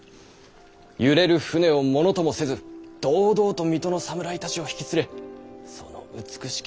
揺れる船をものともせず堂々と水戸の侍たちを引き連れその美しき